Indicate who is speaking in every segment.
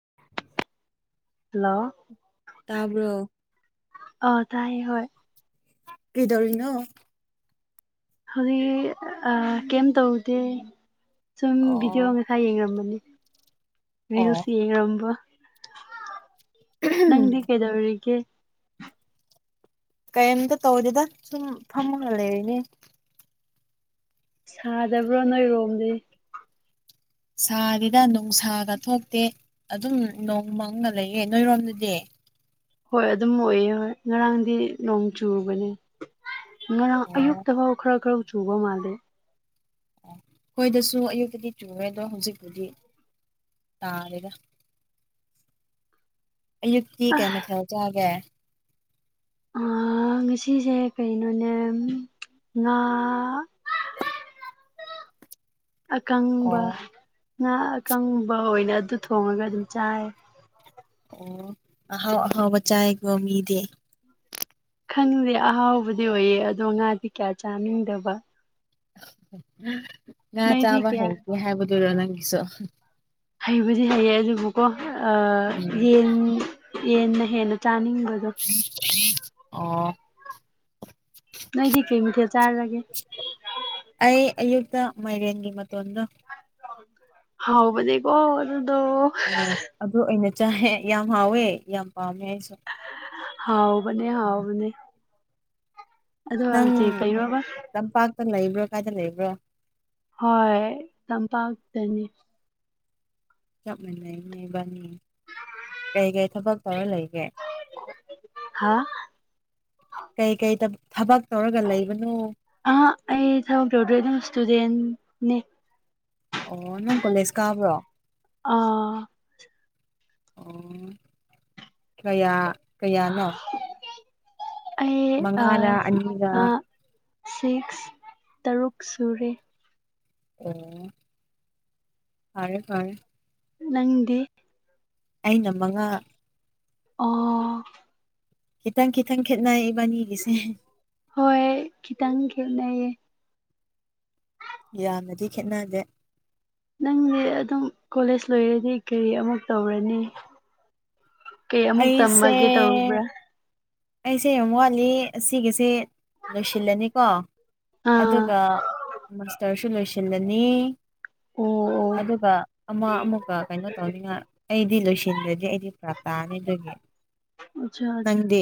Speaker 1: [unintelligible]
Speaker 2: Hello
Speaker 1: ꯇꯥ꯭ꯔ
Speaker 2: ꯑꯣ ꯇꯥꯏ ꯍ
Speaker 1: ꯀꯗꯧꯔꯤꯅꯣ
Speaker 2: ꯍꯧꯖꯤꯛ ꯀꯩ ꯇꯧꯗꯦ ꯁꯨꯝ ꯚꯗꯤꯑꯣ
Speaker 1: ꯑꯣ
Speaker 2: ꯏꯁꯥ ꯌꯦꯡꯉꯝꯕꯅꯤ
Speaker 1: ꯑꯣ
Speaker 2: ꯔꯤꯜꯁ ꯌꯦꯡꯔꯝꯕ ꯅꯪꯗꯤ ꯀꯩꯗ ꯍꯧꯒ
Speaker 1: ꯀꯩꯝꯇ ꯇꯧꯗꯦꯗ ꯁꯨꯝ ꯐꯝꯃꯒ ꯂꯩꯔꯤꯅꯦ
Speaker 2: ꯁꯥꯗꯕ꯭ꯔꯣ ꯅꯣꯏꯔꯣꯝꯗꯤ꯫
Speaker 1: ꯁꯥꯔꯤꯗ ꯅꯨꯡꯁꯥꯒ ꯊꯣꯛꯇꯦ ꯑꯗꯨꯝ ꯅꯣꯡ ꯃꯪꯉ ꯂꯩꯌꯦ ꯅꯣꯏꯔꯣꯝꯗꯗꯤ
Speaker 2: ꯍꯣꯏ ꯑꯗꯨꯝ ꯑꯣꯏꯌꯦ ꯍꯣꯏ ꯉꯔꯥꯡꯗꯤ ꯅꯣꯡ ꯆꯨꯕꯅꯦ꯫ ꯉꯔꯥꯡ
Speaker 1: ꯑꯣ
Speaker 2: ꯑꯌꯨꯛꯇꯐꯥꯎ ꯈꯔ ꯈꯔ ꯆꯨꯕ ꯃꯥꯜꯂꯦ
Speaker 1: ꯍꯣꯏꯗꯁꯨ ꯑꯌꯨꯛꯇꯗꯤ ꯆꯨꯔꯦ ꯑꯗꯣ ꯍꯧꯖꯤꯛꯄꯨꯗꯤ ꯇꯥꯔꯦꯗ
Speaker 2: [unintelligible]
Speaker 1: ꯑꯌꯨꯛꯇꯤ ꯀꯩ ꯃꯊꯦꯜ ꯆꯥꯒꯦ꯫
Speaker 2: ꯉꯁꯤꯁꯦ ꯀꯩꯅꯣꯅꯦ ꯉꯥ꯫ ꯑꯀꯪꯕ
Speaker 1: ꯑꯣ
Speaker 2: ꯉꯥ ꯑꯀꯪꯕ ꯑꯣꯏꯅ ꯑꯗꯨ ꯊꯣꯡꯉꯒ ꯑꯗꯨꯝ ꯆꯥꯏꯌꯦ
Speaker 1: ꯑꯣ ꯑꯍꯥꯎ ꯑꯍꯥꯎꯕ ꯆꯥꯏꯌꯦꯀꯣ ꯃꯤꯗꯤ
Speaker 2: ꯈꯪꯗꯦ ꯑꯍꯥꯎꯕꯗꯤ ꯑꯣꯏꯌꯦ ꯑꯗꯣ ꯉꯥꯗꯤ ꯀꯌꯥ ꯆꯥꯅꯤꯡꯗꯕ
Speaker 1: ꯉꯥ
Speaker 2: ꯅꯣꯏꯗꯤ
Speaker 1: ꯆꯥꯕ
Speaker 2: ꯀꯌꯥ
Speaker 1: ꯍꯦꯛꯒꯦ ꯍꯥꯏꯕꯗꯨꯔꯣ ꯅꯪꯁꯨ꯫
Speaker 2: ꯍꯩꯕꯨꯗꯤ ꯍꯩꯌꯦ ꯑꯗꯨꯕꯨꯀꯣ
Speaker 1: ꯎꯝ
Speaker 2: ꯌꯦꯟ ꯌꯦꯟꯅ ꯍꯦꯟꯅ ꯆꯥꯅꯤꯡꯕꯗꯣ꯫
Speaker 1: [unintelligible] ꯑꯣ
Speaker 2: ꯅꯣꯏꯗꯤ ꯀꯩ ꯃꯊꯦꯜ ꯆꯥꯔꯒꯦ꯫
Speaker 1: ꯑꯩ ꯑꯌꯨꯛꯇ ꯃꯥꯏꯔꯦꯟꯒꯤ ꯃꯇꯣꯟꯗꯣ
Speaker 2: ꯍꯥꯎꯕꯅꯦ ꯀꯣ ꯑꯗꯨꯗꯣ
Speaker 1: ꯑꯣ ꯑꯗꯨ ꯑꯣꯏꯅ ꯆꯥꯏ ꯌꯥꯝ ꯍꯥꯎꯋꯦ ꯌꯥꯝ ꯄꯥꯝꯃꯦ ꯑꯩꯁꯨ꯫
Speaker 2: ꯍꯥꯎꯕꯅꯦ ꯍꯥꯎꯕꯅꯦ
Speaker 1: ꯅꯪ
Speaker 2: [unintelligible]
Speaker 1: ꯇꯝꯄꯥꯛꯇ ꯂꯩꯕ꯭ꯔꯣ ꯀꯥꯏꯗ ꯂꯩꯕ꯭ꯔꯣ
Speaker 2: ꯍꯣꯏ ꯇꯝꯄꯥꯛꯇꯅꯤ
Speaker 1: ꯆꯞ ꯃꯥꯟꯅꯩꯅꯦ ꯏꯕꯅꯤꯗꯤ ꯀꯩꯀꯩ ꯊꯕꯛ ꯇꯧꯔ ꯂꯩꯒꯦ
Speaker 2: ꯍꯥꯥ
Speaker 1: ꯀꯩ ꯀꯩ ꯊꯕꯛ ꯇꯧꯔꯒ ꯂꯩꯕꯅꯣ꯫
Speaker 2: ꯑꯍ ꯑꯩ ꯊꯕꯛ ꯇꯧꯗ꯭ꯔꯤ ꯑꯗꯨꯝ ꯏꯁ꯭ꯇꯨꯗꯦꯟꯠ ꯅꯦ
Speaker 1: ꯑꯣ ꯅꯪ ꯀꯣꯂꯦꯖ ꯀꯥꯕ꯭ꯔꯣ
Speaker 2: ꯑꯥ
Speaker 1: ꯑꯣ ꯀꯌꯥ ꯀꯌꯥꯅꯣ
Speaker 2: [unintelligible] ꯑꯩ
Speaker 1: ꯃꯉꯥꯔ
Speaker 2: ꯑꯁ
Speaker 1: ꯑꯅꯤꯔ
Speaker 2: ꯑ ꯁꯤꯛꯁ ꯇꯔꯨꯛ ꯁꯨꯔꯦ꯫
Speaker 1: ꯑꯣ ꯐꯔꯦ ꯐꯔꯦ
Speaker 2: ꯅꯪꯗꯤ
Speaker 1: ꯑꯩꯅ ꯃꯉꯥ
Speaker 2: ꯑꯣ
Speaker 1: ꯈꯤꯇꯪ ꯈꯤꯇꯪ ꯈꯦꯠꯅꯩ ꯏꯕꯥꯅꯤꯒꯤꯁꯦ
Speaker 2: ꯍꯣꯏ ꯈꯤꯇꯪ ꯈꯦꯠꯅꯩꯌꯦ
Speaker 1: ꯌꯥꯝꯅꯗꯤ ꯈꯦꯠꯅꯗꯦ꯫
Speaker 2: ꯅꯪꯗꯤ ꯑꯗꯨꯝ ꯀꯣꯂꯦꯖ ꯂꯣꯏꯔꯗꯤ ꯀꯔꯤ ꯑꯃꯨꯛ ꯇꯧꯔꯅꯤ ꯀꯩꯑꯃꯨꯛ
Speaker 1: ꯑꯩꯁꯦ
Speaker 2: ꯇꯝꯃꯒꯦ ꯇꯧꯕ꯭ꯔꯥ
Speaker 1: ꯑꯩꯁꯦ ꯌꯥꯝ ꯋꯥꯠꯂꯤ ꯑꯁꯤꯒꯤꯁꯦ ꯂꯣꯏꯁꯤꯜꯂꯅꯤꯀꯣ
Speaker 2: ꯑꯥ
Speaker 1: ꯑꯗꯨꯒ ꯃꯥꯁꯇꯔꯁꯨ ꯂꯣꯏꯁꯤ ꯁꯤꯜꯂꯅꯤ
Speaker 2: ꯑꯣ ꯑꯣ
Speaker 1: ꯑꯗꯨꯒ ꯑꯃ ꯑꯃꯨꯛꯀ ꯀꯩꯅꯣ ꯇꯧꯅꯤꯉꯥꯏ ꯑꯩꯗꯤ ꯂꯣꯏꯁꯤꯟꯗ꯭ꯔꯗꯤ ꯑꯩꯗꯤ ꯐꯔꯛ ꯇꯥꯔꯅꯤ ꯑꯗꯨꯒꯤ
Speaker 2: ꯑꯆꯥꯥ ꯑꯆꯥ
Speaker 1: ꯅꯪꯗꯤ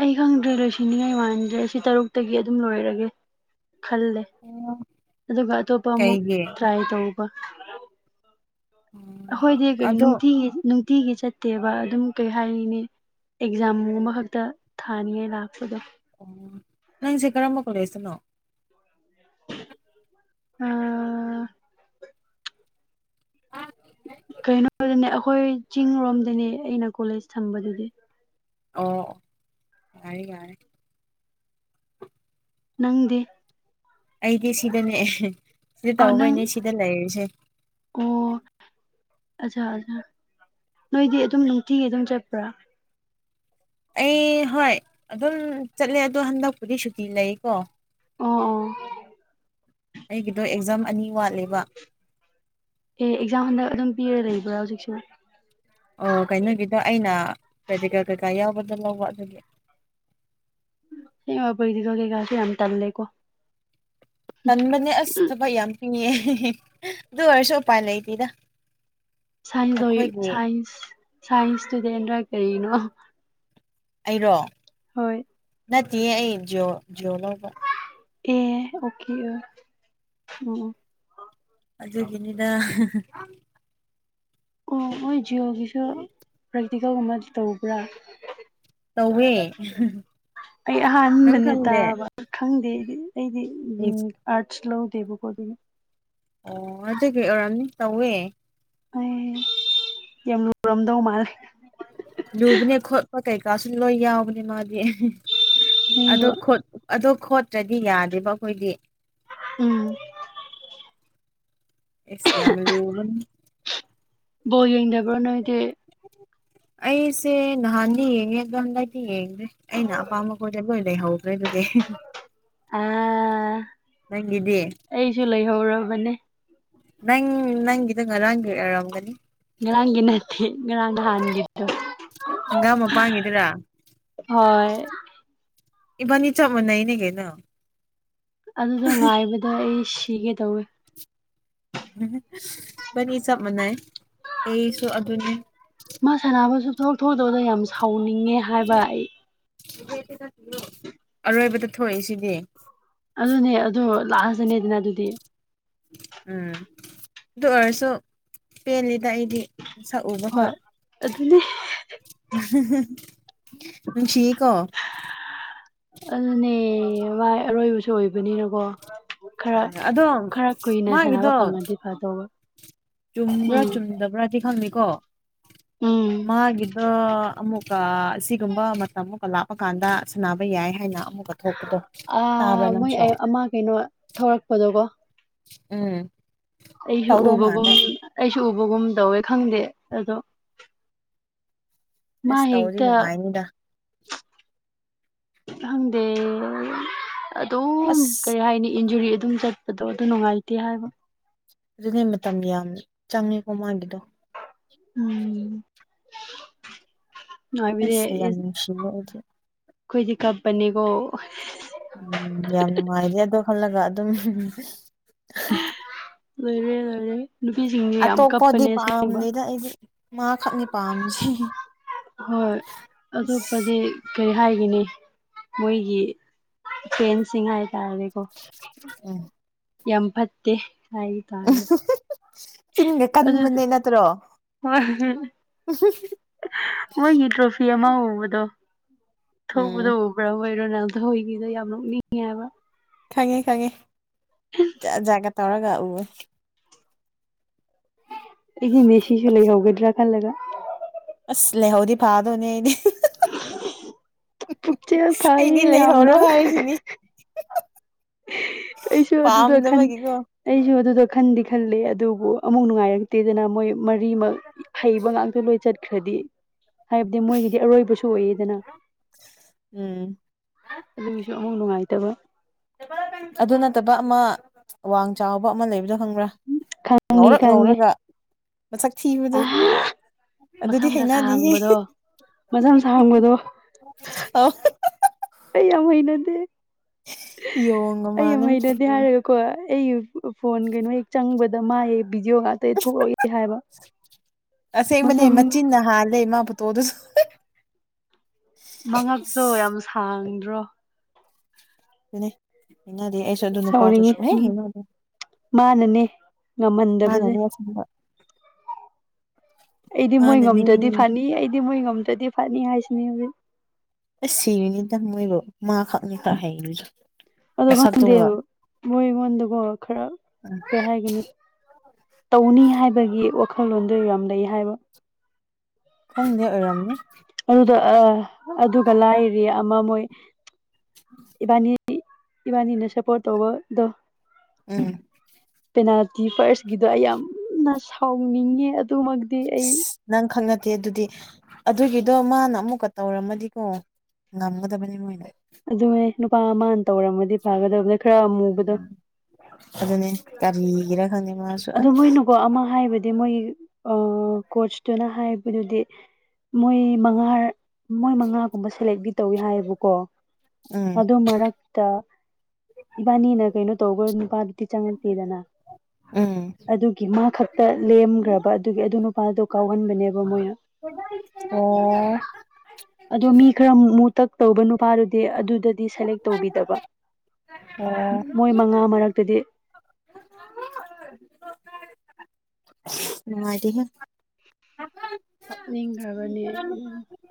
Speaker 2: ꯑꯩ ꯈꯪꯗ꯭ꯔꯦ ꯂꯣꯏꯁꯤꯟꯅꯤꯡꯉꯥꯏ ꯃꯥꯟꯗ꯭ꯔꯦ ꯑꯁꯤ ꯇꯔꯨꯛꯇꯒꯤ ꯑꯗꯨꯝ ꯂꯣꯏꯔꯒꯦ ꯈꯜꯂꯦ꯫ ꯑꯗꯨꯒ ꯑꯇꫭꯞꯄ ꯑꯃꯨꯛ
Speaker 1: ꯀꯩꯒꯤ
Speaker 2: ꯇ꯭ꯔꯥꯏ ꯇꯩꯕ
Speaker 1: ꯎꯝ
Speaker 2: ꯑꯍꯣꯏꯗꯤ ꯀꯩꯅꯣ
Speaker 1: ꯑꯗꯣ
Speaker 2: ꯅꯨꯡꯇꯤꯒꯤ ꯅꯨꯡꯇꯤꯒꯤ ꯆꯠꯇꯦꯕ ꯑꯗꯨꯝ ꯀꯩ ꯍꯥꯏꯔꯤꯅꯤ ꯑꯦꯛꯖꯥꯝ ꯒꯨꯝꯕꯈꯛꯇ ꯊꯥꯅꯤꯉꯥꯏ ꯂꯥꯛꯄꯗꯣ
Speaker 1: ꯑꯣ ꯅꯪꯁꯦ ꯀꯔꯝꯕ ꯀꯣꯂꯦꯖꯇꯅꯣ
Speaker 2: ꯑ
Speaker 1: [unintelligible]
Speaker 2: ꯀꯩꯅꯣꯗꯅꯦ ꯑꯩꯈꯣꯏ ꯆꯤꯡꯔꯣꯝꯗꯅꯦ ꯑꯩꯅ ꯀꯣꯂꯦꯖ ꯊꯝꯕꯗꯨꯗꯤ
Speaker 1: ꯑꯣ ꯌꯥꯏꯌꯦ ꯌꯥꯏꯌꯦ
Speaker 2: ꯅꯪꯗꯤ
Speaker 1: ꯑꯩꯗꯤ ꯁꯤꯗꯅꯦ ꯁꯤꯗ
Speaker 2: ꯑꯥ ꯅꯪ
Speaker 1: ꯇꯧꯕꯩꯅꯦ ꯁꯤꯗ ꯂꯩꯔꯤꯁꯦ꯫
Speaker 2: ꯑꯣ ꯑꯆꯥ ꯑꯆꯥꯥ ꯅꯣꯏꯗꯤ ꯑꯗꯨꯝ ꯅꯨꯡꯇꯤꯒꯤ ꯑꯗꯨꯝ ꯆꯠꯄ꯭ꯔꯥ
Speaker 1: ꯑꯩ ꯍꯣꯏ ꯑꯗꯨꯝ ꯆꯠꯂꯦ ꯑꯗꯣ ꯍꯟꯗꯛꯄꯨꯗꯤ ꯁꯨꯇꯤ ꯂꯩꯀꯣ
Speaker 2: ꯑꫭ ꯑꯣ
Speaker 1: ꯑꯩꯒꯤꯗꯣ ꯑꯦꯛꯖꯥꯝ ꯑꯅꯤ ꯋꯥꯠꯂꯦꯕ
Speaker 2: ꯑꯦ ꯑꯦꯛꯖꯥꯝ ꯍꯟꯗꯛ ꯑꯗꯨꯝ ꯄꯤꯔ ꯂꯩꯕ꯭ꯔꯥ ꯍꯧꯖꯤꯛꯁꯨ
Speaker 1: ꯑꯣ ꯀꯩꯅꯣꯒꯤꯗꯣ ꯑꯩꯅ ꯄꯦꯗꯤꯀꯥ ꯀꯩꯀꯥ ꯌꯥꯎꯕꯗ ꯂꯧꯕ ꯑꯗꯨꯒꯤ
Speaker 2: ꯁꯦꯡꯕ ꯄ꯭ꯔꯦꯛꯇꯤꯀꯜ ꯀꯩꯀꯁꯦ ꯌꯥꯝ ꯇꯜꯂꯦꯀꯣ
Speaker 1: ꯇꯟꯕꯅꯦ ꯑꯁ
Speaker 2: ꯎꯝ
Speaker 1: ꯊꯕꯛ ꯌꯥꯝ ꯄꯤꯌꯦ [unintelligible] ꯑꯗꯨ ꯑꯣꯏꯔꯁꯨ ꯎꯄꯥꯏ ꯂꯩꯇꯦꯗ
Speaker 2: [unintelligible]
Speaker 1: ꯑꯩꯈꯣꯏꯒꯤ
Speaker 2: ꯁꯥꯏꯟꯁ ꯏꯁ꯭ꯇꯨꯗꯦꯟꯔ ꯀꯔꯤꯅꯣ
Speaker 1: ꯑꯩꯔꯣ
Speaker 2: ꯍꯣꯏ
Speaker 1: ꯅꯠꯇꯤꯌꯦ ꯑꯩ ꯖꯤꯑꯣ ꯖꯤꯑꯣ ꯂꯧꯕ
Speaker 2: ꯑꯦ ꯑꯣꯀꯦ ꯎꯝ
Speaker 1: ꯑꯗꯨꯒꯤꯅꯤꯗ
Speaker 2: ꯑꯣ ꯃꯣꯏ ꯖꯤꯑꯣꯒꯤꯁꯨ ꯄ꯭ꯔꯦꯛꯇꯤꯀꯦꯜꯒꯨꯝꯕꯗꯤ ꯇꯧꯕ꯭ꯔꯥ
Speaker 1: ꯇꯧꯋꯦ [unintelligible]
Speaker 2: ꯑꯩ
Speaker 1: ꯅꯪ
Speaker 2: ꯑꯍꯥꯟꯕꯅꯦ
Speaker 1: ꯈꯪꯗꯦ
Speaker 2: ꯇꯥꯕ ꯈꯪꯗꯦꯗꯤ ꯑꯩꯗꯤ ꯎꯝ
Speaker 1: ꯏꯁ
Speaker 2: ꯑꯠꯁ ꯂꯧꯗꯦꯕꯨꯀꯣ ꯑꯗꯨꯒꯤ
Speaker 1: ꯑꯣ ꯑꯗꯨꯒꯤ ꯑꯣꯏꯔꯝꯅꯤ ꯇꯧꯋꯦ
Speaker 2: ꯑꯦ ꯌꯥꯝ ꯂꯨꯔꯝꯗꯧ ꯃꯥꯜꯂꯦ
Speaker 1: ꯂꯨꯕꯅꯦ ꯈꯣꯠꯄ ꯀꯩꯀꯥꯁꯨ ꯂꯣꯏ ꯌꯥꯎꯕꯅꯦ ꯃꯥꯗꯤ ꯑꯗꯣ
Speaker 2: ꯑꯁꯦꯡꯕ
Speaker 1: ꯑꯗꯣ ꯈꯣꯠꯇ꯭ꯔꯗꯤ ꯌꯥꯗꯦꯕ ꯑꯩꯈꯣꯏꯗꯤ
Speaker 2: ꯎꯝ
Speaker 1: ꯑꯦꯁ ꯌꯥꯝ ꯂꯨꯕꯅꯤ
Speaker 2: ꯕꯣ ꯌꯦꯡꯗꯕ꯭ꯔꯣ ꯅꯣꯏꯗꯤ
Speaker 1: ꯑꯩꯁꯦ ꯅꯍꯥꯟꯗꯤ ꯌꯦꯡꯉꯦ ꯑꯗꯣ ꯍꯟꯗꯛꯇꯤ ꯌꯦꯡꯗ꯭ꯔꯦ ꯑꯩꯅ ꯑꯄꯥꯝꯕ ꯈꯣꯏꯗꯣ ꯂꯣꯏ ꯂꯩꯍꯧꯈ꯭ꯔꯦ ꯑꯗꯨꯒꯤ
Speaker 2: [unintelligible] ꯑꯥ
Speaker 1: ꯅꯪꯒꯤꯗꯤ
Speaker 2: ꯑꯩꯁꯨ ꯂꯩꯍꯧꯔꯕꯅꯦ
Speaker 1: ꯅꯪ ꯅꯪꯒꯤꯗꯪ ꯉꯔꯥꯡꯒꯤ ꯌꯥꯎꯔꯝꯒꯅꯤ
Speaker 2: ꯉꯔꯥꯡꯒꯤ ꯅꯠꯇꯦ ꯉꯔꯥꯡ ꯅꯍꯥꯟꯒꯤ [unintelligible] ꯗꯣ [unintelligible]
Speaker 1: ꯍꯪꯒꯥꯝ ꯃꯄꯥꯟꯒꯤꯗꯨꯔꯥ
Speaker 2: ꯍꯣꯏ
Speaker 1: ꯏꯕꯅꯤ ꯆꯞ ꯃꯅꯩꯌꯦꯗꯤ ꯀꯩꯅꯣ
Speaker 2: ꯑꯗꯨꯗꯣ ꯉꯥꯏꯕꯗꯣ ꯑꯩ ꯁꯤꯒꯦ ꯇꯧꯋꯦ
Speaker 1: ꯕꯅꯤ ꯆꯞ ꯃꯥꯟꯅꯩ ꯑꯩꯁꯨ ꯑꯗꯨꯅꯦ
Speaker 2: ꯃꯥ ꯁꯥꯟꯅꯕ ꯁꯨꯡꯊꯣꯛ ꯊꯣꯛꯇꯕꯗꯨ ꯌꯥꯝ ꯁꯥꯎꯅꯤꯡꯉꯦ ꯍꯥꯏꯕ ꯑꯩ
Speaker 1: [unintelligible] ꯑꯔꯣꯏꯕꯗ ꯊꯣꯛꯏꯁꯤꯗꯤ
Speaker 2: ꯑꯗꯨꯅꯦ ꯑꯗꯨ ꯂꯥꯁꯗꯅꯦꯗꯅ ꯑꯗꯨꯗꯤ
Speaker 1: ꯎꯝ ꯑꯗꯨ ꯑꯣꯏꯔꯁꯨ ꯄꯦꯜꯂꯤꯗ ꯑꯩꯗꯤ ꯁꯛꯎꯕꯐꯣ
Speaker 2: ꯍꯣꯏ ꯑꯗꯨꯅꯦ
Speaker 1: [unintelligible] ꯅꯨꯡꯁꯤꯌꯦꯀꯣ
Speaker 2: ꯑꯗꯨꯅꯦ ꯃꯥꯏ ꯑꯔꯣꯏꯕꯁꯨ ꯑꯣꯏꯕꯅꯤꯅꯀꯣ ꯈꯔ
Speaker 1: ꯎꯝ ꯑꯗꯣ
Speaker 2: ꯈꯔ ꯀꯨꯏꯅ
Speaker 1: ꯃꯥꯒꯤꯗꯣ
Speaker 2: ꯁꯥꯟꯅꯕ ꯐꯪꯉꯗꯤ ꯐꯗꯧꯕ
Speaker 1: ꯆꯨꯝꯕ꯭ꯔꯥ
Speaker 2: ꯎꯝ
Speaker 1: ꯆꯨꯝꯗꯕ꯭ꯔꯥꯗꯤ ꯈꯪꯉꯀꯣ
Speaker 2: ꯎꯝ
Speaker 1: ꯃꯥꯒꯤꯗ ꯑꯃꯨꯛ ꯑꯁꯤꯒꯨꯝꯕ ꯃꯇꯝ ꯑꯃꯒ ꯂꯥꯞꯄ ꯀꯥꯟꯗ ꯁꯥꯟꯅꯕ ꯌꯥꯏ ꯍꯥꯏꯅ ꯑꯃꯨꯛꯀ ꯊꯣꯛꯄꯗꯣ
Speaker 2: ꯑ
Speaker 1: ꯇꯥꯕ꯭ꯔꯥ
Speaker 2: ꯃꯣꯏ
Speaker 1: ꯅꯪꯁꯨ
Speaker 2: ꯑꯃ ꯀꯩꯅꯣ ꯊꯧꯔꯛꯄꯗꯣꯀꯣ
Speaker 1: ꯎꯝ
Speaker 2: ꯑꯩꯁꯨ
Speaker 1: ꯇꯧꯗꯧ
Speaker 2: ꯎꯕꯒꯨꯝ
Speaker 1: ꯃꯥꯜꯂꯦ
Speaker 2: ꯑꯩꯁꯨ ꯎꯕꯒꯨꯝ ꯇꯧꯋꯦ ꯈꯪꯗꯦ ꯑꯗꯣ ꯃꯥ
Speaker 1: ꯑꯦꯁ ꯇꯧꯔꯤ
Speaker 2: ꯍꯦꯛꯇ
Speaker 1: ꯅꯨꯡꯉꯥꯏꯅꯤꯗ
Speaker 2: ꯈꯪꯗꯦ ꯑꯗꯨꯝ
Speaker 1: ꯑꯁ
Speaker 2: ꯀꯔꯤ ꯍꯥꯏꯅꯤ ꯏꯟꯖꯨꯔꯤ ꯑꯗꯨꯝ ꯆꯠ ꯑꯗꯨꯗꯣ ꯑꯗꯨ ꯅꯨꯡꯉꯥꯏꯇꯦ ꯍꯥꯏꯕ
Speaker 1: ꯑꯗꯨꯅꯦ ꯃꯇꯝ ꯌꯥꯝ ꯆꯪꯉꯦꯀꯣ ꯃꯥꯒꯤꯗꯣ
Speaker 2: ꯎꯝ ꯅꯨꯡꯉꯥꯏꯕꯗꯤ
Speaker 1: ꯑꯦꯁ ꯌꯥꯝ
Speaker 2: ꯏꯁ
Speaker 1: ꯅꯨꯡꯁꯤ ꯍꯥꯏꯗꯤ
Speaker 2: ꯑꯩꯈꯣꯏꯗꯤ ꯈꯠꯄꯅꯤꯒꯣ [unintelligible]
Speaker 1: ꯎꯝ ꯌꯥꯝ ꯅꯨꯡꯉꯥꯏꯔꯦ ꯑꯗꯣ ꯈꯜꯂꯒ ꯑꯗꯨꯝ
Speaker 2: ꯃꯔꯦ ꯂꯩꯔꯦ ꯅꯨꯄꯤꯁꯤꯡ
Speaker 1: ꯑꯇꯣꯞꯄꯗꯤ ꯄꯥꯝꯗꯦꯗ ꯑꯩꯗꯤ ꯃꯥꯈꯛꯅꯤ ꯄꯥꯝꯃꯤꯁꯤ
Speaker 2: ꯍꯣꯏ ꯑꯇꯣꯞꯄꯗꯤ ꯀꯔꯤ ꯍꯥꯏꯒꯅꯤ ꯃꯣꯏꯒꯤ ꯐ꯭ꯔꯦꯟꯁꯤꯡ ꯍꯥꯏꯇꯥꯔꯦꯗꯤꯀꯣ
Speaker 1: ꯎꯝ
Speaker 2: ꯌꯥ ꯐꯠꯇꯦ ꯍꯥꯏ
Speaker 1: ꯎ
Speaker 2: ꯇꯥꯔꯦ
Speaker 1: ꯆꯤꯟꯒ
Speaker 2: ꯑꯗ
Speaker 1: ꯀꯟꯕꯅꯦ ꯅꯠꯇ꯭ꯔꯣ
Speaker 2: ꯋꯥꯣꯏ ꯇ꯭ꯔꯣꯐꯤ ꯑꯃ ꯑꯣꯕꯗꯣ [unintelligible] ꯌꯥꯝ
Speaker 1: ꯎꯝ
Speaker 2: ꯅꯣꯛꯅꯤꯡꯉꯦ ꯍꯥꯏꯕ
Speaker 1: ꯈꯪꯉꯦ ꯈꯪꯉꯦ ꯖꯥꯠ ꯖꯥꯠꯀ ꯇꯧꯔꯒ ꯎꯋꯦ
Speaker 2: ꯑꯩꯒꯤ ꯃꯦꯁꯤꯁꯨ ꯂꯩ ꯍꯧꯒꯗ꯭ꯔꯥ ꯈꯜꯂꯒ
Speaker 1: ꯑꯁ ꯂꯦꯍꯧꯗꯤ ꯐꯥꯗꯣꯅꯦ ꯑꯩꯗꯤ [unintelligible]
Speaker 2: ꯄꯨꯛꯆꯦꯜ
Speaker 1: ꯑꯩꯗꯤ
Speaker 2: ꯐꯩꯌꯦ
Speaker 1: ꯂꯩꯍꯧꯔꯣ
Speaker 2: ꯌꯥꯝꯅ
Speaker 1: ꯍꯥꯏꯔꯤꯁꯤꯅꯤ
Speaker 2: ꯄꯩꯁꯨ ꯑꯗꯨꯗ ꯈꯟ
Speaker 1: ꯄꯥꯝꯗꯕꯒꯤꯀꯣ
Speaker 2: ꯑꯩꯁꯨ ꯑꯗꯨꯗ ꯈꯟꯗꯤ ꯈꯜꯂꯤꯦ ꯑꯗꯨꯕꯨ ꯑꯃꯨꯛ ꯅꯨꯡꯉꯥꯏꯔꯛꯇꯦꯗꯅ ꯃꯣꯏ ꯃꯔꯤꯃꯛ ꯍꯩꯕ ꯉꯥꯛꯇ ꯂꯣꯏ ꯆꯠꯈ꯭ꯔꯗꯤ ꯍꯥꯏꯕꯗꯤ ꯃꯣꯏꯒꯤꯗꯤ ꯑꯔꯣꯏꯕꯁꯨ ꯑꯣꯏꯑꯗꯅ
Speaker 1: ꯎꯝ
Speaker 2: ꯑꯗꯨꯒꯤꯁꯨ ꯑꯃꯨꯛ ꯅꯨꯡꯉꯥꯏꯇꯕ
Speaker 1: ꯑꯗꯨ ꯅꯠꯇꯕ ꯑꯃ ꯋꯥꯡ ꯆꯥꯎꯕ ꯑꯃ ꯂꯩꯕꯗꯣ ꯈꯪꯕ꯭ꯔꯥ
Speaker 2: ꯈꯪꯉꯦ
Speaker 1: ꯉꯧꯔꯛ
Speaker 2: ꯈꯪꯉꯦ
Speaker 1: ꯉꯧꯔꯒ ꯃꯁꯛ ꯊꯤꯕꯗ
Speaker 2: ꯃꯁꯝꯒ ꯁ ꯍꯥꯡꯕꯗꯣ ꯃꯁꯝ ꯁꯥꯡꯥꯡꯕꯗꯣ
Speaker 1: ꯑ
Speaker 2: ꯑꯩ ꯌꯥꯝ ꯍꯩꯅꯗꯦ
Speaker 1: ꯌꯣ ꯉ
Speaker 2: ꯌꯥꯝ
Speaker 1: ꯃꯥꯅ ꯆ
Speaker 2: ꯍꯩꯅꯗꯦ ꯀꯣ ꯍꯥꯏꯔꯒꯀꯣ ꯑꯩ ꯐꯣꯟ ꯀꯩꯅꯣ ꯍꯦꯛ ꯆꯪꯕꯗ ꯃꯥꯥꯏꯌꯦ ꯚꯤꯗꯤꯑꯣ ꯉꯥꯛꯇ ꯊꯣꯛꯂꯛꯏꯦ ꯍꯥꯏꯕ
Speaker 1: ꯑꯁꯦꯡꯕꯅꯦ
Speaker 2: ꯃꯁꯝ
Speaker 1: ꯃꯆꯤꯟꯅ ꯍꯥꯜꯂꯦ ꯃꯥꯕꯨꯠꯇꯣ ꯑꯗꯨꯁꯨ
Speaker 2: ꯃꯉꯛꯇꯣ ꯌꯥꯝ
Speaker 1: ꯑꯁ
Speaker 2: ꯁꯥꯡꯗ꯭ꯔꯣ
Speaker 1: ꯑꯗꯨꯅꯦ ꯍꯩꯅꯗꯦ ꯑꯩꯁꯨ ꯑꯗꯨ ꯅꯨꯄꯥꯗꯨ
Speaker 2: ꯁꯥꯎꯅꯤꯡꯉꯤ
Speaker 1: ꯁꯨꯝꯍꯩ ꯍꯩꯅꯗꯦ
Speaker 2: ꯃꯥꯅꯅꯦ ꯉꯝꯍꯟꯗꯕꯁꯦ
Speaker 1: ꯃꯥꯅꯅꯦ ꯑꯁꯦꯡꯕ
Speaker 2: ꯑꯩꯗꯤ ꯃꯣꯏ ꯉꯝꯗ꯭ꯔꯗꯤ
Speaker 1: ꯃꯥꯅꯅꯦ
Speaker 2: ꯐꯅꯤ ꯑꯩꯗꯤ ꯃꯣꯏ ꯉꯝꯗ꯭ꯔꯗꯤ ꯐꯅꯤ ꯍꯥꯏꯁꯤꯅꯦ ꯍꯧꯖꯤ
Speaker 1: ꯑꯁ ꯁꯤꯔꯤꯅꯤꯗꯃꯣꯏꯔꯣ ꯃꯥꯈꯛꯅꯤ ꯈ ꯍꯩꯣꯏꯗ
Speaker 2: ꯑꯗꯣ ꯈꯪꯗꯦꯕ ꯃꯣꯏ ꯑꯩꯉꯣꯟꯗꯀꯣ ꯈꯔ
Speaker 1: ꯎꯝ
Speaker 2: ꯀꯩ ꯍꯥꯏꯒꯅꯤ ꯇꯧꯅꯤ ꯍꯥꯏꯕꯒꯤ ꯋꯥꯈꯜꯂꯣꯟꯗꯣ ꯌꯥꯝ ꯂꯩ ꯍꯥꯏꯕ
Speaker 1: ꯈꯪꯗꯦ ꯑꯣꯏꯔꯝꯅꯦ
Speaker 2: ꯑꯗꯨꯗ ꯑ ꯑꯗꯨꯒ ꯂꯥꯏꯔꯤ ꯑꯃ ꯃꯣꯏ ꯏꯕꯥꯅꯤ ꯏꯕꯥꯅꯤꯅ ꯁꯄꯣꯔ ꯇꯧꯕ ꯗ
Speaker 1: ꯎꯝ
Speaker 2: ꯄꯦꯅꯥꯜꯇꯤ ꯐꯥꯔꯁꯀꯤꯗꯣ ꯑꯩ ꯌꯥꯝꯅ ꯁꯥꯎꯅꯤꯡꯉꯦ ꯑꯗꯨꯃꯛꯇꯤ ꯑꯩ
Speaker 1: ꯅꯪ ꯈꯪꯅꯗꯦ ꯑꯗꯨꯗꯤ ꯑꯗꯨꯒꯤꯗꯣ ꯃꯥꯅ ꯑꯃꯨꯛꯀ ꯇꯧꯔꯝꯃꯗꯤꯀꯣ ꯉꯝꯒꯗꯕꯅꯤ ꯃꯣꯏꯅ
Speaker 2: ꯑꯗꯨꯅꯦ ꯅꯨꯄꯥ ꯑꯃꯅ ꯇꯧꯔꯝꯃꯗꯤ ꯐꯥꯒꯗꯕ ꯅ
Speaker 1: ꯎꯝ ꯑꯗꯨꯅꯦ ꯀꯔꯤꯒꯔꯥ ꯈꯪꯅꯤ ꯃꯥ
Speaker 2: ꯑꯗꯨ ꯃꯣꯏꯅꯨꯀꯣ ꯑꯃ ꯍꯥꯏꯕꯗꯤ ꯃꯣꯏ ꯑ ꯀꯣꯆꯇꯨꯅ ꯍꯥꯏꯕꯗꯨꯗꯤ ꯃꯣꯏ ꯃꯉꯥꯔ ꯃꯣꯏ ꯃꯉꯥꯒꯨꯝꯕ ꯁꯦꯂꯦꯛꯇꯤ ꯇꯧꯋꯦ ꯍꯥꯏꯌꯦꯕꯀꯣ
Speaker 1: ꯎꯝ
Speaker 2: ꯑꯗꯨ ꯃꯔꯛ ꯇ ꯏꯕꯥꯅꯤꯅ ꯀꯩꯅꯣ ꯇꯧꯒ ꯅꯨꯄꯥꯗꯨꯗꯤ ꯆꯪꯉꯛꯇꯦꯗꯅ
Speaker 1: ꯎꯝ
Speaker 2: ꯑꯗꯨꯒꯤ ꯃꯥ ꯈꯛꯇ ꯂꯦꯝꯈ꯭ꯔꯕ ꯑꯗꯨꯒꯤ ꯑꯗꯨ ꯅꯨꯄꯥꯗꯣ ꯀꯥꯎꯍꯟꯕꯅꯦꯕ ꯃꯣꯏꯅ
Speaker 1: ꯍ ꯑꯣ
Speaker 2: ꯑꯗꯣ ꯃꯤ ꯈꯔ ꯃꯨ ꯇꯛ ꯇꯧꯕ ꯅꯨꯄꯥꯗꯨꯗꯤ ꯑꯗꯨꯗꯗꯤ ꯗꯤ ꯁꯦꯂꯦꯛ ꯇꯧꯕꯤꯗꯕ ꯃꯣꯏ ꯃꯉꯥ ꯃꯔꯛꯇꯗꯤ
Speaker 1: ꯅꯨꯡꯉꯥꯏꯗꯤ
Speaker 2: ꯍꯥꯞꯅꯤꯡꯈ꯭ꯔꯕꯅꯦ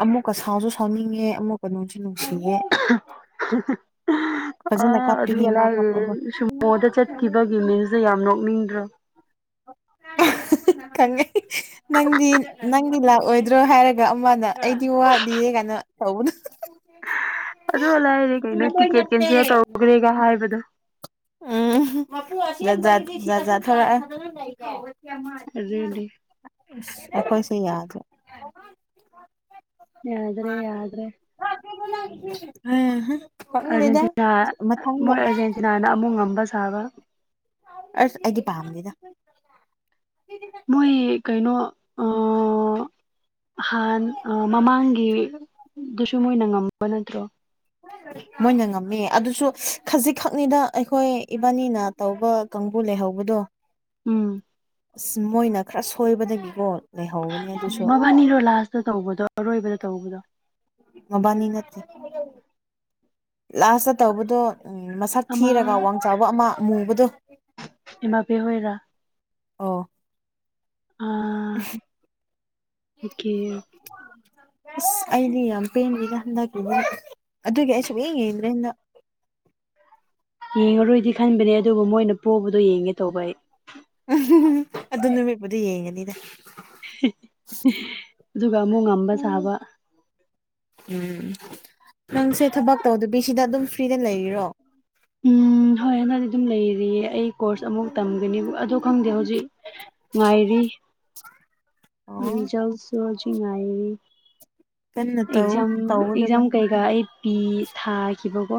Speaker 1: ꯑꯃꯨꯛꯀ ꯁꯥꯎꯁꯨ ꯁꯥꯎꯅꯤꯡꯉꯦ ꯑꯃꯨꯛꯀ ꯅꯨꯡꯁꯨ ꯅꯨꯡꯁꯤꯌꯦꯦ
Speaker 2: [inaudible] ꯑ
Speaker 1: ꯐꯖꯅ ꯀꯥꯞꯄꯤꯅꯦ
Speaker 2: ꯑꯗꯨꯒ
Speaker 1: ꯃꯥ
Speaker 2: ꯂꯥꯛꯑ
Speaker 1: ꯀꯥꯞꯄꯗꯣ
Speaker 2: ꯁꯨꯃꯣꯗ ꯆꯠꯈꯤꯕꯒꯤ ꯃꯤ ꯑ ꯌꯥꯝ ꯅꯣꯛꯅꯤꯡꯗ꯭ꯔꯣ
Speaker 1: ꯀꯥꯏ ꯅꯪꯗꯤ ꯅꯪ ꯑꯩꯒꯤ ꯂꯥꯛꯑꯣꯏꯗ꯭ꯔꯣ ꯍꯥꯏꯔꯒ ꯑꯃꯅ ꯑꯩꯗꯤ ꯋꯥꯠꯂꯤꯌꯦ ꯀꯥꯏꯅꯣ ꯇꯧꯕꯅ [unintelligible]
Speaker 2: ꯑꯗꯨ ꯂꯥꯏꯔꯦ ꯀꯩꯅꯣ ꯇꯤꯛꯀꯦꯠ ꯀꯦꯟꯁꯦꯜ ꯇꯧꯈ꯭ꯔꯦꯒ ꯍꯥꯏꯕꯗꯣ
Speaker 1: ꯎꯝꯖꯖ ꯊꯔ
Speaker 2: ꯑꯗꯨꯅꯦ
Speaker 1: ꯑꯩꯈꯣꯏꯁ ꯌꯥꯗ
Speaker 2: ꯌꯥ꯭ꯔꯦ ꯌꯥꯗ꯭ꯔꯦ
Speaker 1: ꯑ
Speaker 2: ꯑꯥꯔꯖꯦꯟꯇꯤꯅꯥ ꯃꯣꯏ ꯑꯥꯔꯖꯦꯟꯇꯤꯅꯥꯅ ꯑꯃꯨꯛ ꯉꯝꯕ ꯁꯥꯕ
Speaker 1: ꯑꯁ ꯑꯩꯗꯤ ꯄꯥꯝꯗꯦꯗ
Speaker 2: ꯃꯣꯏ ꯀꯩꯅꯣ ꯍꯥꯟ ꯃꯃꯥꯡꯒꯤꯗꯨꯁꯨ ꯃꯣꯏꯅ ꯉꯝꯕ ꯅꯠꯇ꯭ꯔꯣ
Speaker 1: ꯍꯣꯏ ꯃꯣꯏꯅ ꯉꯝꯃꯦ ꯑꯗꯨꯁꯨ ꯈꯖꯤꯛꯈꯛꯅꯤꯗ ꯑꯩꯈꯣꯏ ꯏꯕꯥꯅꯤꯅ ꯇꯧꯕ ꯀꯥꯡꯕꯨ ꯂꯩꯍꯧꯕꯗꯣ
Speaker 2: ꯎꯝ
Speaker 1: ꯑꯁ ꯃꯣꯏꯅ ꯈꯔ ꯁꯣꯏꯕꯗꯒꯤꯀꯣ ꯂꯩꯍꯧꯒꯅꯤ
Speaker 2: ꯎ ꯃꯕꯥꯅꯤꯔꯣꯂꯥꯁꯇ ꯇꯧꯕꯗꯣ ꯑꯔꯣꯏꯕꯗ ꯇꯧꯕꯗꯣ
Speaker 1: ꯃꯕꯥꯅꯤ ꯅ ꯂꯥꯁ ꯇꯧꯕꯗꯣ ꯎꯝ ꯃꯁꯛ
Speaker 2: ꯑꯃ
Speaker 1: ꯊꯤꯔꯒ ꯋꯥꯡ ꯆꯥꯕ ꯑꯃ ꯃꯨꯕꯗꯣ
Speaker 2: ꯏꯃꯥꯕꯤ ꯍꯣꯏꯔꯥ
Speaker 1: ꯑꯣ
Speaker 2: ꯑꯥ ꯑꯣꯀꯦ
Speaker 1: ꯑꯁ ꯑꯩꯗꯤ ꯌꯥꯝ ꯄꯦꯟꯗꯅꯦ ꯍꯟꯗꯛꯀꯤꯅꯦ ꯑꯗꯨꯒꯤ ꯑꯩ ꯁꯨꯡ ꯌꯦꯡ ꯌꯦꯡꯗ꯭ꯔꯦ ꯍꯟꯗꯛ
Speaker 2: ꯌꯦꯡꯉꯔꯣꯏꯗꯤ ꯈꯟꯕꯅꯦ ꯑꯗꯨꯕꯨ ꯃꯣꯏꯅ ꯄꯣꯕꯗꯣ ꯌꯦꯡꯒꯦ ꯇꯧꯕ ꯑꯩ
Speaker 1: ꯎꯝ ꯑꯗꯨ ꯅꯨꯃꯤꯠꯄꯨꯗꯤ ꯌꯦꯡꯒꯅꯤꯗ
Speaker 2: ꯑꯗꯨꯒ ꯑꯃꯨꯛ ꯉꯝꯕ ꯁꯥꯕ
Speaker 1: ꯎꯝ ꯅꯪꯁꯦ ꯊꯕꯛ ꯇꯧꯗꯕꯤꯁꯤꯗ ꯑꯗꯨꯝ ꯐ꯭ꯔꯤꯗ ꯂꯩꯔꯤꯔꯣ
Speaker 2: ꯎꯝ ꯍꯣꯏ ꯍꯟꯗꯛꯗꯤ ꯑꯗꯨꯝ ꯂꯩꯔꯤꯌꯦ ꯑꯩ ꯀꯣꯔꯁ ꯑꯃꯨꯛ ꯇꯝꯒꯅꯤ ꯑꯗꫭ ꯍꯧꯖꯤꯛ ꯉꯥꯏꯔꯤ
Speaker 1: ꯑꯣ
Speaker 2: ꯔꯤꯖꯜꯁꯨ ꯍꯧꯖꯤꯛ ꯉꯥꯏꯔꯤ
Speaker 1: ꯀꯟꯅ ꯇꯧ
Speaker 2: ꯑꯦꯛꯖꯥꯝ ꯑꯦꯛꯖꯥꯝ
Speaker 1: ꯇꯧꯒꯗꯕꯅꯤ
Speaker 2: ꯀꯩꯀꯥ ꯑꯩ ꯄꯤ ꯊꯥꯈꯤꯕꯀꯣ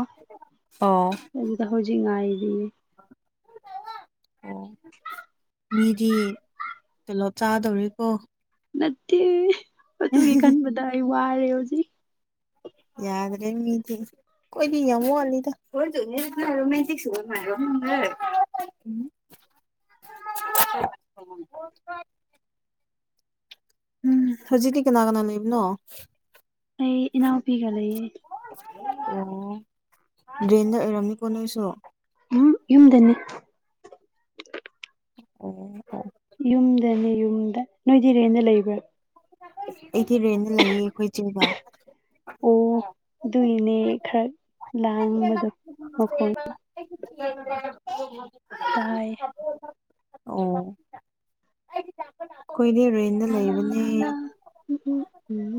Speaker 1: ꯑꫭ
Speaker 2: ꯋꯨꯝꯗ ꯍꯧꯖꯤꯛ ꯉꯥꯏꯔꯤꯌꯦ
Speaker 1: ꯃꯤꯗꯤ ꯀꯦꯅꫭ ꯆꯥꯗꯧꯔꯤꯀꯣ
Speaker 2: ꯅꯠꯇꯦ ꯑꯗꯨꯒꯤ ꯈꯟꯕꯗ ꯑꯩ ꯋꯥꯔꯦ ꯍꯧꯖꯤꯛ
Speaker 1: ꯌꯥꯗ꯭ꯔꯦ ꯃꯤꯗꯤ ꯈꫭꯏꯗꯤ ꯌꯥꯝ ꯋꯥꯠꯂꯤꯗ
Speaker 2: [unintelligible]
Speaker 1: [inaudible] ꯎꯝ ꯍꯧꯖꯤꯛꯤ ꯀꯅꯥ ꯀꯅꯥ ꯂꯩꯕꯅꯣ
Speaker 2: ꯑꯩ ꯏꯅꯥꯎ ꯄꯤꯒ ꯂꯩꯌꯦ
Speaker 1: ꯑꯣ ꯔꯦꯟꯗ ꯑꯣꯏꯔꯝꯅꯤꯀꯣ ꯅꯣꯏꯁꯨ
Speaker 2: ꯎꯝ ꯌꯨꯝꯗꯅꯦ
Speaker 1: ꯑꯣ ꯑꯣ
Speaker 2: ꯌꯨꯝꯗꯅꯦ ꯌꯨꯝꯗ ꯅꯣꯏ ꯔꯦꯟꯗ ꯂꯩꯕ꯭ꯔꯥ
Speaker 1: ꯑꯩꯒꯤ ꯔꯦꯟꯗ ꯂꯩꯌꯦ ꯑꯩꯈꯣꯏ ꯆꯦꯒ
Speaker 2: ꯑꯣ ꯑꯗꯨꯏꯅꯦ ꯈꯔ
Speaker 1: [inaudible]
Speaker 2: ꯂꯥꯡꯕꯗꯣ ꯃꯈꯣꯟ ꯇꯥꯏ
Speaker 1: ꯑꯣ ꯑꯩꯈꯣꯏꯅꯦ ꯔꯦꯟꯗ ꯂꯩꯕꯅꯦ
Speaker 2: ꯎꯝ ꯎꯝ ꯎꯝ